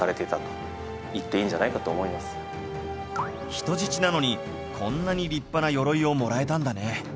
人質なのにこんなに立派な鎧をもらえたんだね